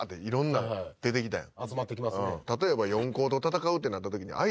例えば。